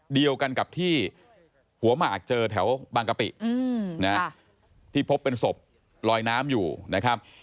เดียวกันกับที่หัวหมากเจอแถวบางกะปิที่พบเป็นศพลอยน้ำอยู่นะครับ